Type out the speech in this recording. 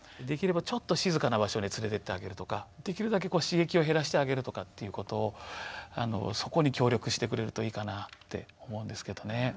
できればちょっと静かな場所に連れていってあげるとかできるだけ刺激を減らしてあげるとかっていうことをそこに協力してくれるといいかなって思うんですけどね。